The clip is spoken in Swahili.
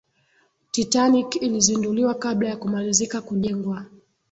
titanic ilizinduliwa kabla ya kumalizika kujengwa